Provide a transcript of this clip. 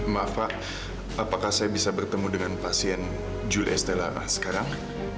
maaf pak apakah saya bisa bertemu dengan pasien juli estella sekarang